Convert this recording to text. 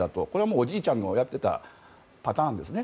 おじいちゃんがやっていたパターンですね。